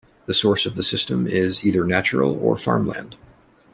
The source of the system is either natural or farmland.